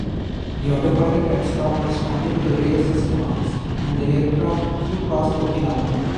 The autopilot had stopped responding to Reyes' commands and the aircraft flew past Okinawa.